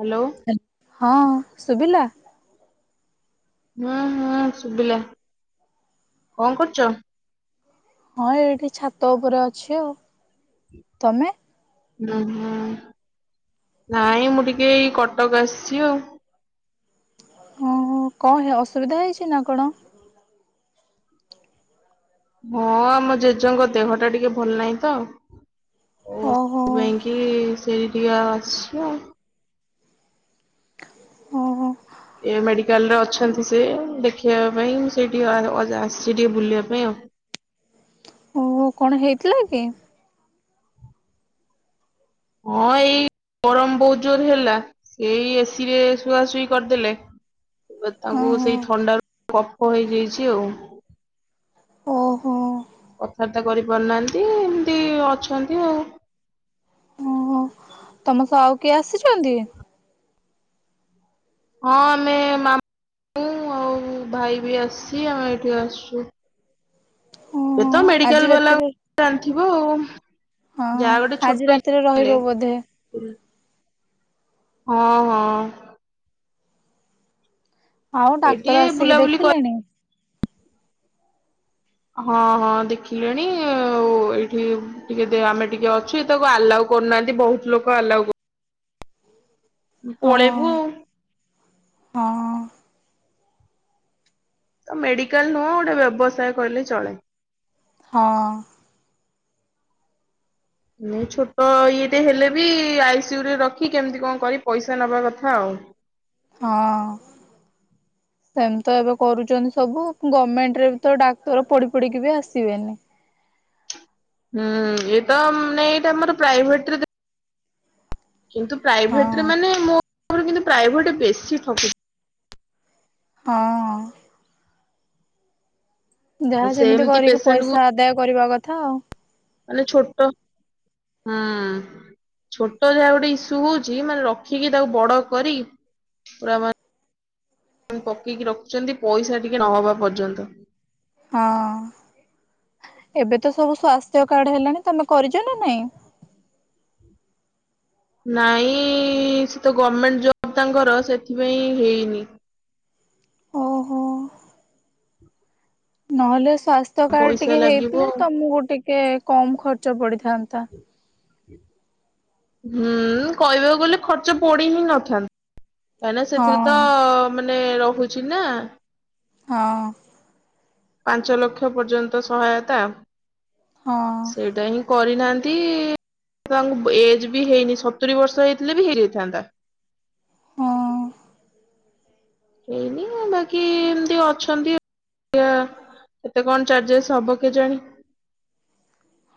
Hello. ହଁ ଶୁଭିଲା ହୁଁ ହୁଁ ଶୁଭିଲା କଣ କରୁଛ ହଁ ଏଇଠି ଛାତ ଉପରେ ଅଛି ଆଉ ତମେ ହୁଁ ହୁଁ ନାଇଁ ମୁଁ ଟିକେ ଏଇ କଟକ ଆସିଛି ଆଉ ଓ ହୋ କଣ ହେ ଅସୁବିଧା ହେଇଛି ନା କଣ ହଁ ଆମ ଜେଜେଙ୍କ ଦେହ ଟା ଟିକେ ଭଲ ନାହିଁ ତ ଓ ଓହୋ ସେଥିପାଇଁ କି ସେଇଠୀ ଅଛି ଆଉ ଓହୋ। ଏ ମେଡିକାଲ ରେ ଅଛନ୍ତି ସେ ଦେଖେଇବା ପାଇଁ ସେ ଟିକେ ଅ ଆସିଛି ଟିକେ ବୁଲିବା ପାଇଁ ଆଉ ଓ ହୋ କଣ ହେଇଥିଲା କି? ହଁ ଏଇ ଗରମ ବହୁତ ଜୋର ହେଲା ଏଇ ଏସିି ରେ ଶୁଆ ଶୁଇ କରିଦେଲେ। ତାଙ୍କୁ ଓହୋ ସେଇ ଥଣ୍ଡାରୁ କଫ ହେଇଯାଇଛି ଆଉ। ଓହୋ। କଥାବାର୍ତ୍ତା କରି ପାରୁନାହାନ୍ତି ଏମିତି ଅଛନ୍ତି ଆଉ। ଓହୋ ତମ ସହ ଆଉ କିଏ ଆସିଛନ୍ତି? ହଁ ଆମେ ମାମୁଁ ଆଉ ଭାଇ ବି ଆସିଛି ଆମେ ଏଇଠି ଆସିଛୁ। ଏ ଓହୋ ତ ଆଜି ମେଡିକାଲ ବାଲା ରାତିରେ ଜାଣିଥିବ ଆଉ। ହଁ ଯାହା ଗୋଟେ ଆଜି ଛୋଟ ରାତିରେ [inaudible] ହେଲେ। ରହିବ ବୋଧେ ହଁ ହଁ। ଆଉ ଏଇଠି ଡାକ୍ତର ଆସିକି ବୁଲାବୁଲି କରି ଦେଖିଲେଣି? ହଁ ହଁ ଦେଖିଲେଣି ଆଉ ଏଇଠି ଟିକେ ଦେ ଆମେ ଟିକେ ଅଛୁ ଏ ତାକୁ ଆଲାଓ କରୁନାହାନ୍ତି ବହୁତ ଲୋକ ଆଲାଉ କ ହଁ ପଳେଇବୁ ଆଉ। ହଁ ତ ମେଡିକାଲ ନୁହଁ ଗୋଟେ ବ୍ୟବସାୟ କହିଲେ ଚଳେ। ହଁ। ଛୋଟ ଇଏଟେ ହେଲେ ବି ଆଇସିୟୁ ରେ ରଖି କେମିତି କଣ କରି ପଇସା ନବା କଥା ଆଉ। ହଁ। ସେମତି ଏବେ କରୁଛନ୍ତି ସବୁ ଗମେଣ୍ଟରେ ବି ତ ଡାକ୍ତର ପଡି ପଡିକି ବି ଆସିବେନି। ହୁଁ ଇଏ ତ ନାଇଁ ଏଇଟା ଆମର ପ୍ରାଇଭେଟ ରେ ଦେ କିନ୍ତୁ ପ୍ରାଇଭେଟ୍ ରେ ହଁ ମାନେ ମୋ [inaudible] ପ୍ରାଇଭେଟ୍ ବେଶୀ ଠକୁ ହଁ। ଯାହା ଯେମିତି ସେମିତି କରିକି ପେସେଣ୍ଟକୁ ପଇସା ଆଦାୟ କରିବା କଥା ଆଉ। ମାନେ ଛୋଟ ହଁ। ଛୋଟ ଯାହା ଗୋଟେ ଇସୁ ହଉଛି ମାନେ ରଖିକି ତାକୁ ବଡ କରି ପୁରା ମା ପକେଇକି ରଖୁଛନ୍ତି ପଇସା ଟିକେ ନହବା ପର୍ଯ୍ୟନ୍ତ। ହଁ ଏବେ ତ ସବୁ ସ୍ଵାସ୍ଥ୍ୟ କାର୍ଡ ହେଲାଣି ତମେ କରିଛ ନା ନାଇଁ? ନାଇଁ ସେ ତ ଗମେଣ୍ଟ ଜବ୍ ତାଙ୍କର ସେଥିପାଇଁ ହେଇନି। ଓହୋ। ନହେଲେ ସ୍ଵାସ୍ଥ୍ୟ କାର୍ଡ ପଇସା ଟିକେ ଲାଗିବ ହେଇଥିଲେ ଆଉ। ତମକୁ ଟିକେ କମ୍ ଖର୍ଚ୍ଚ ପଡିଥାନ୍ତା। ହୁଁ କହିବାକୁ ଗଲେ ଖର୍ଚ୍ଚ ପଡି ହିଁ ନଥାନ୍ତା। କାଇଁକି ସେଥିରେ ତ ହଁ ମାନେ ରହୁଛି ନା। ହଁ। ପାଞ୍ଚ ଲକ୍ଷ ପର୍ଯ୍ୟନ୍ତ ସହାୟତା ହଁ ସେଇଟା ହିଁ କରିନାହାନ୍ତି ତାଙ୍କୁ ଏଜ୍ ବି ହେଇନି ସତୁରି ବର୍ଷ ହେଇଥିଲେ ବି ହେଇଯାଇଥାନ୍ତା। ହଁ ହେଇନି ବାକି ଏମିତି ଅଛନ୍ତି [inaudible] କେତେ କଣ ଚାର୍ଜେସ୍ ହବ କେଜାଣି।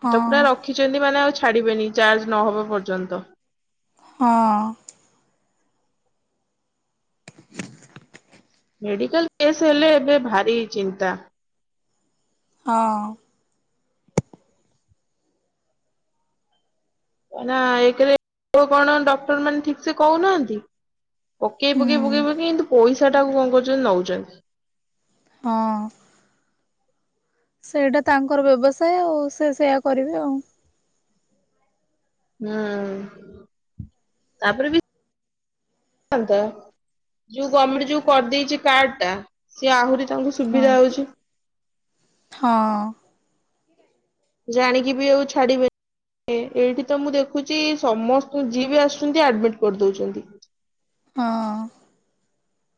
ହଁ। ତ ପୁରା ରଖିଛନ୍ତି ମାନେ ଆଉ ଛାଡିବେନି ଚାର୍ଜ ନହବା ପର୍ଯ୍ୟନ୍ତ। ହଁ। ମେଡିକାଲ କେସ୍ ହେଲେ ଏବେ ଭାରି ଚିନ୍ତା। ହଁ। ନା ଏକରେ କଣ ଡକ୍ଟର ମାନେ ଠିକ୍ ସେ କହୁନାହାନ୍ତି। ପକେଇ ପକେଇ ପକେଇ ହୁଁ ପକେଇ କିନ୍ତୁ ପଇସା ଟା କ କଣ କରୁଛନ୍ତି ନଉଛନ୍ତି। ହଁ। ସେଇଟା ତାଙ୍କର ବ୍ୟବସାୟ ଆଉ ସେ ସେୟା କରିବେ ଆଉ। ହୁଁ ତାପରେ ବି ହତା ଯୋଉ ଗମେଣ୍ଟ ଯୋଉ କରିଦେଇଛି କାର୍ଡ ଟା। ସିଏ ଆହୁରି ତାଙ୍କୁ ହଁ ସୁବିଧା ହଉଛି। ହଁ। ଜାଣିକି ବି ଆଉ ଛାଡିବେନି। ଏ ଏଇଠି ତ ମୁଁ ଦେଖୁଛି ସମସ୍ତ ଯିଏ ବି ଆସୁଛନ୍ତି ଆଡମିଟ କରିଦଉଛନ୍ତି। ହଁ ଅ।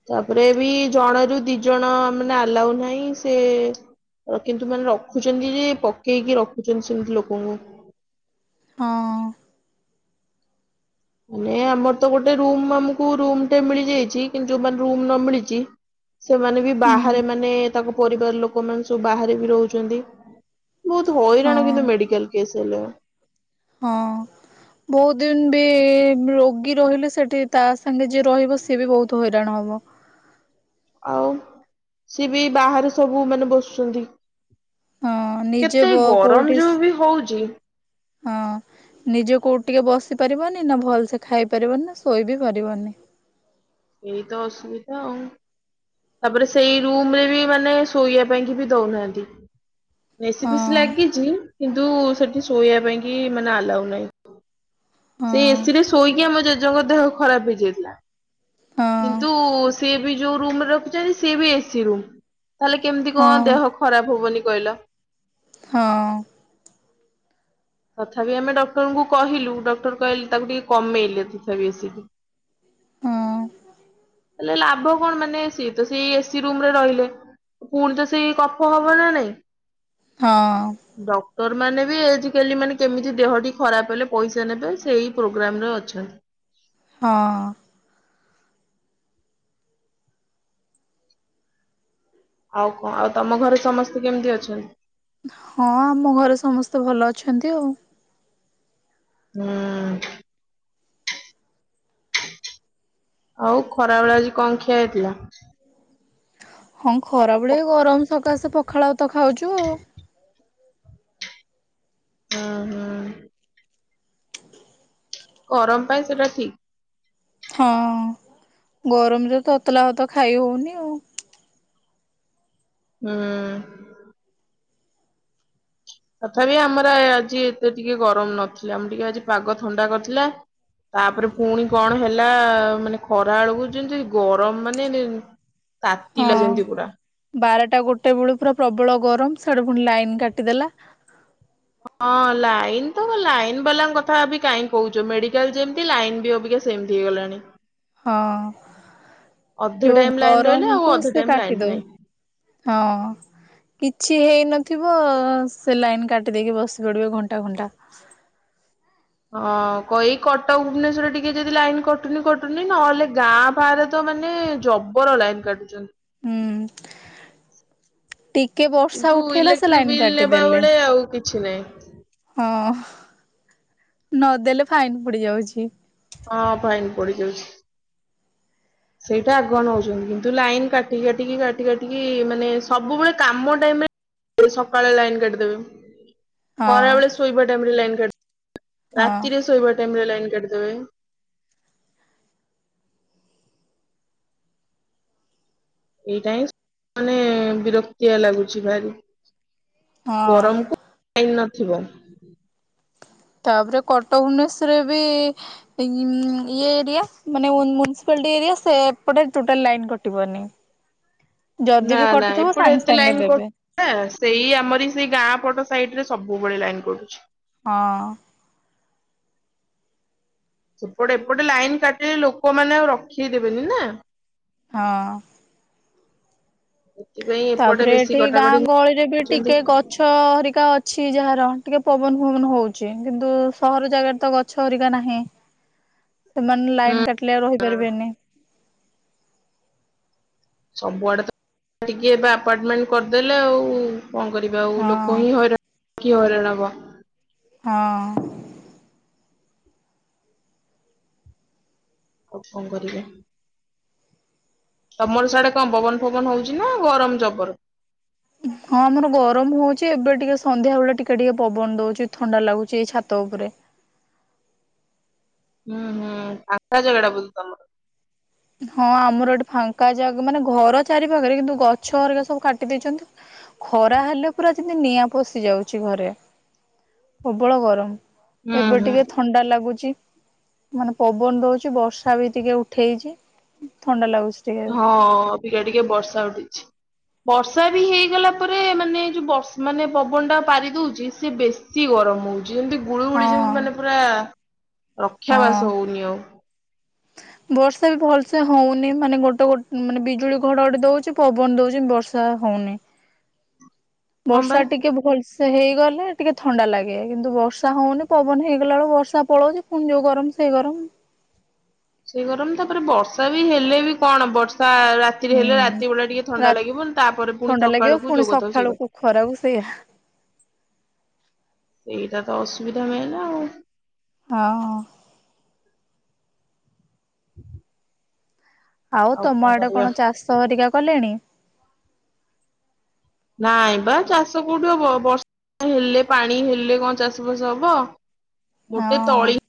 ତାପରେ ବି ଜଣ ରୁ ଦି ଜଣ ମାନେ ଆଲାଉ ନାହିଁ, ସେ କିନ୍ତୁ ମାନେ ରଖୁଛନ୍ତି ଯେ, ପକେଇକି ରଖୁଛନ୍ତି ସେମିତି ଲୋକଙ୍କୁ। ହଁ ଅ। ମାନେ ଆମର ତ ଗୋଟେ ରୁମ, ଆମକୁ ରୁମଟେ ମିଳି ଯାଇଛି କିନ୍ତୁ ଯୋଉ ମ ରୁମ ନ ମିଳିଛି ସେମାନେ ବି ହୁଁ ବାହାରେ ମାନେ, ତାଙ୍କ ପରିବାର ଲୋକମାନେ ସବୁ ବାହାରେ ବି ରହୁଛନ୍ତି। ବହୁତ ହଇରାଣ କିନ୍ତୁ ହଁ। ମେଡିକାଲ କେସ୍ ହେଲେ। ହଁ ଅ। ବହୁତ ଦିନ ବି ରୋଗୀ ରହିଲେ ସେଠି ତା ସାଙ୍ଗେ ଯିଏ ରହିବ ସିଏ ବି ବହୁତ ହଇରାଣ ହବ। ଆଉ ସି ବି ବାହାରେ ସବୁ ମାନେ ବସୁଛନ୍ତି। ହଁ ନିଜେ କେତେ ବ ଗରମ କୋଉଠି ଯୋଉ ବି ହଉଛି? ହଁ, ନିଜେ କୋଉଠି ଟିକେ ବସି ପାରିବନି ନା ଭଲସେ ଖାଇ ପାରିବନି ନା ଶୋଇ ବି ପାରିବନି। ଏଇ ତ ଅସୁବିଧା ଆଉ। ତାପରେ ସେଇ ରୁମ ରେ ବି ମାନେ ଶୋଇବା ପାଇଁ ବି ଦଉନାହାନ୍ତି। ଏସି ହଁ ଫେ ସି ଲାଗିଛି କିନ୍ତୁ ସେଠି ଶୋଇବା ପାଇଁ କି ମାନେ ଆଲାଉ ନାହିଁ। ହଁ ସେଇ ଏସି ରେ ଶୋଇକି ଆମ ଜେଜେଙ୍କ ଦେହ ଖରାପ ହେଇଯାଇଥିଲା, ହଁ କିନ୍ତୁ ସେ ବି ଯେଉ ରୁମର ସିଏ ବି ଏସି ରୁମ୍ ତାହେଲେ କେମିତି କଣ ହଁ ଦେହ ଖରାପ ହବନି କହିଲ? ହଁ ଅ। ତଥାପି ଆମେ ଡକ୍ଟରଙ୍କୁ କହିଲୁ, ଡକ୍ଟର କହିଲେ ତାକୁ ଟିକେ କମେଇଲେ ତଥାପି ଆସିକି। ହଁ ଅ। ହେଲେ ଲାଭ କଣ? ମାନେ ସିଏ ତ ସେଇ ଏସି ରୁମରେ ରହିଲେ। ପୁଣି ତ ସେଇ କଫ ହବ ନା ନାଇଁ? ହଁ ଅ। ଡକ୍ଟର ମାନେ ବି ଏ ହେଲି ମାନେ କେମିତି ଦେହଟି ଖରାପ ହେଲେ, ପଇସା ନେବେ, ସେଇ ପ୍ରୋଗ୍ରାମରେ ଅଛନ୍ତି। ହଁ ଅ। ଆଉ କଣ? ଆଉ ତମ ଘରେ ସମସ୍ତେ କେମିତି ଅଛନ୍ତି? ହଁ ଆମ ଘରେ ସମସ୍ତେ ଭଲ ଅଛନ୍ତି ଆଉ। ହୁଁ ଉ ଆଉ ଖରାବେେଳେ ଆଜି କଣ ଖିଆ ହେଇଥିଲା? ହଁ ଖରା ବେଳେ ହୁଁ ଗରମ ସକାଶେ ପଖାଳଭାତ ଖାଉଛୁ ଆଉ। ହୁଁ ହୁଁ। ଗରମ ପାଇଁ ସେଇଟା ଠିକ। ହଁ ଗରମରେ ତତଲା ଭାତ ଖାଇ ହଉନି ଆଉ। ହୁଁ ଉ। ତଥାପି ଆମର ଆଜି ଏତେ ଟିକେ ଗରମ ନଥିଲା। ଆମର ଟିକେ ଆଜି ପାଗ ଥଣ୍ଡା କରିଥିଲା। ତାପରେ ପୁଣି କଣ ହେଲା। ମାନେ ଖରା ବେଳକୁ ଯେମିତି ଗରମ ମାନେ ଏ [inaudible] ତାତିିଲା ହଁ। ଯେମିତି ପୁରା। ବାରଟା ଗୋଟେ ବେଳୁ ପୁରା ପ୍ରବଳ ଗରମ, ସିଆଡୁ ପୁଣି ଲାଇନ କାଟିଦେଲା। ହଁ ଲାଇନ୍ ତ ଲାଇନ୍ ବାଲା କଥା ବି କାହିଁ କହୁଛ? ମେଡିକାଲ ଯେମତି ଲାଇନ୍ ବି ଅବିକା ସେମି ସେମିତି ହେଇଗଲାଣି। ହଁ ଅଧେ ଯୋଉ ଟାଇମ ଲାଇନ ରହିଲେ ଆଉ ଗରମକୁ ଅଧେ ସେ ଟାଇମ ଲାଇନ କାଟି ଦଉ ନାହିଁ। ହଁ ଅ। କିଛି ହେଇନଥିବ, ସେ ଲାଇନ୍ କାଟି ଦେଇକି ବସି ପଡ଼ିବେ ଘଣ୍ଟା ଘଣ୍ଟା। ହଁ କହି କଟକ ଭୁବନେଶ୍ୱରରେ ଟିକେ ଯଦି ଲାଇନ କଟୁନି, କଟୁନି, ନହେଲେ ଗାଁ ପା ରେ ତ ମାନେ ଜବର ଲାଇନ କାଟୁଛନ୍ତି। ହୁଁ ଉ। ଟିକେ ବର୍ଷା କିନ୍ତୁ ଉଠେଇଲା ସେ ଲାଇନ୍ କାଟିଦେଲେ। ଛି ନାଇଁ। ହଁ ନଦେଲେ ଫାଇନ୍ ପଡି ଯାଉଛି। ହଁ ଫାଇନ୍ ପଡି ଯାଉଛି। [inaudible] ସେଇଟା ଆଗୁଆ ନେଉଚନ୍ତି, କିନ୍ତୁ ଲାଇନ୍ କାଟି କାଟିକି କାଟି କାଟିକି ମାନେ ସବୁବେଳେ କାମ ଟାଇମରେ ସକାଳେ ଲାଇନ୍ କାଟିଦେବେ, ହଁ ଖରାବେଳେ ଶୋଇବା ଟାଇମ୍ ରେ ଲାଇନ୍ କାଟି ଦେ ହଁ ରାତିରେ ଶୋଇବା ଟାଇମ୍ ରେ ଲାଇନ୍ କାଟିିଦେବେ। ଏଇଟା ହିଁ ମାନେ ବିରକ୍ତିଆ ଲାଗୁଛି ଭାରି ହଁ। ଗରମକୁ ଲାଇନ୍ ନଥିବ। ତାପରେ କଟକ ଭୁବନେଶ୍ଵରରେ ବି ଇମ୍ ଇଏ ଏରିଆ ମାନେ ମ୍ୟୁନିସିପାଲିଟୀ ଏରିଆ, ସେପଟେ ଟୋଟାଲ୍ ଲାଇନ୍ କଟିବନି। ଯଦି ନା ବି ନା କଟିଥିବ ଏପଟେ ଏତେ ସାଙ୍ଗେ-ସାଙ୍ଗେ ଲାଇନ ଦେବେ। [unintelligible] ସେଇ ଆମରି ସେଇ ଗାଁ ପଟ ସାଇଟ୍ ରେ ସବୁବେଳେ ଲାଇନ୍ କଟୁଛି। ହଁ। ସେପଟେ ଏପଟେ ଲାଇନ୍ କାଟିଲେ ଲୋକମାନେ ଆଉ ରଖେଇ ଦେବେନି ନା। ହଁ। ସେଥିପାଇଁ। ଏପଟେ ତାପରେ ବେଶୀ ଏଠି ଗାଁ କଟାକଟି ଗହଳିରେ ବି ଟିକେ ନଉଛନ୍ତି। ଗ ଛ ହରିକା ଅଛି ଯାହାର ଟିକେ ପବନ ଫବନ ହଉଚି, କିନ୍ତୁ ସହର ଜାଗାରେ ତ ଗ ଛ ହେରିକା ନାହିଁ, ସେମାନେ ହୁଁ ଲାଇନ୍ କାଟିଲେ ରହିପାରିବେନି। ସବୁଆଡେ ତ ଟିକେ ଏବେ ଆପାର୍ଟମେଣ୍ଟ କରିଦେଲେ ଆଉ କଣ କରିବା ଆଉ ହଁ ଲୋକ ହିଁ ହଇରାଣ। କିଏ ହଇରାଣ ହବ। ହଁ। ଆଉ କଣ କରିବା। ତମର ସିଆଡ଼େ କଣ ପବନ୍ ଫବନ୍ ହଉଛି ନା ଗରମ୍ ଜବର? ହଁ ଆମର ଗରମ୍ ହଉଛି, ଏବେ ଟିକେ ସନ୍ଧ୍ୟାବେଳେ ଟିକେ-ଟିକେ ପବନ ଦଉଛି ଥଣ୍ଡା ଲାଗୁଛି ଏଇ ଛାତ ଉପରେ। ହୁଁ-ହୁଁ ଫାଙ୍କା ଜାଗାଟା ବୋଧେ ତମର? ହଁ ଆମର ଏଠି ଫାଙ୍କା ଯାଗ ମାନେ ଘର ଚାରି ପାଖରେ, କିନ୍ତୁ ଗଛହରିକା ସବୁ କାଟି ଦେଇଛନ୍ତି। ଖରା ହେଲେ ପୁରା ଯେମିତି ନିଆଁ ପଶି ଯାଉଛି ଘରେ, ପ୍ରବଳ ଗରମ୍। ଏବେ ହୁଁ ଟିକେ ହୁଁ ଥଣ୍ଡା ଲାଗୁଚି, ମାନେ ପବନ୍ ଦଉଚି ବର୍ଷା ବି ଟିକେ ଉଠେଇଚି। ଥଣ୍ଡା ଲାଗୁଛି। ହଁ ଅବିକା ଟିକେ ବର୍ଷା ଉଠେଇଛି। ବର୍ଷା ବି ହେଇଗଲା ପରେ ମାନେ ଯୋଉ ବଷ ମାନେ ପବନ୍ ଟା ପାରି ଦଉଚି ସେ ବେ ଶୀ ଗରମ୍ ହଉଚି, ଯେମିତି ହଁ ଗୁଳୁଗୁଳି ଯେମିତି ମାନେ ପୁରା ହଁ ରକ୍ଷାବାସ ହଉନି ଆଉ। [inaudible] ବର୍ଷା ବି ଭଲସେ ହଉନି ମାନେ ଗୋଟେ ଗୋ ମାନେ ବିଜୁଳି ଘଡଘଡି ଦଉଚି ପବନ ଦଉଚି ବ ର୍ଷା ହଉନି। ହଁ ବର୍ଷା ବା ଟିକେ ଭଲସ୍ ସେ ହେଇଗଲେ ଟିକେ ଥଣ୍ଡା ଲାଗେ, କିନ୍ତୁ ବର୍ଷା ହଉନି ପବନ୍ ହେଇଗଲା ବେଳକୁ ବର୍ଷା ପଳାଉଚି। ଫୁଣି ଯୋଉ ଗରମକୁ ସେଇ ଗରମ୍। ସେଇ ଗରମ୍ ତାପରେ ବର୍ଷା ବି ହେଲେ ବି କଣ ବର୍ଷା ରା ତିରେ ହେଲେ ହୁଁ। ରାତିବେଳା ଟିକେ ଥଣ୍ଡା ରାତି ଲାଗିବ, ତାପରେ ପୁଣି ଥଣ୍ଡା ଲାଗିବ ସକାଳକୁୁ ପୁଣି ଯୋଉ କଥାକୁ ସକାଳୁକୁ ଖରାକୁ ସେଇକଥା। ସେଇଆ ସେଇଟା ତ ଅସୁବିଧା ମେନ୍ ଆଉ। ହଁ। [inaudible] ଆଉ ତମ ଆଡେ କଣ ଚାଷ ହେରିକା କଲେଣି? ନାଇଁ ବା ଚାଷ କୋଉଠୁ ହବ, ବର୍ଷା ହେଲେ ପାଣି ହେଲେ କଣ ଚାଷବାସ ହବ। ଗୋଟେ ହଁ। ତଳି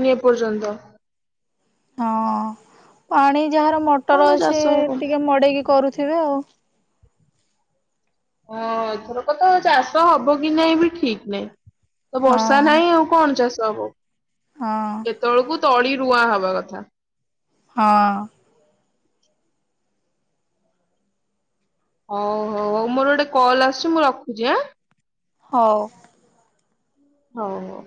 ଇନି ଏପର୍ଯ୍ୟନ୍ତ। ହଁ ପାଣି ଯାହାର କଣ ମଟର ଅଛି ଚାଷ ହବ ଟିକେ ମଡେଇକି କରୁଥିବେ ଆଉ। ହଁ ଏଥରକ ତ ଚାଷ ହବ କି ନାଇଁ ବି ଠିକ ନାହିଁ। ତ ବର୍ଷା ହଁ ନାହିଁ ଆଉ କଣ ଚାଷ ହବ। ହଁ ଏତଳକୁ ତଳି ରୁଆ ହବା କଥା। ହଁ ଓଉ ହଉ ମୋର ଗୋଟେ କଲ୍ ଆସିଛି ମୁଁ ରଖୁଛି ହାଁ। ହଉ ହଉ ହଉ